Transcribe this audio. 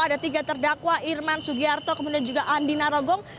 ada tiga terdakwa irman sugiarto kemudian juga andi narogong